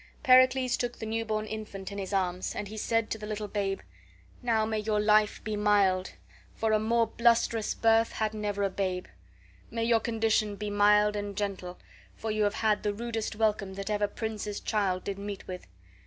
Pericles took the newborn infant in his arms, and he said to the little babe: "Now may your life be mild, for a more blusterous birth had never babe! May your condition be mild and gentle, for you have had the rudest welcome that ever prince's child did meet with!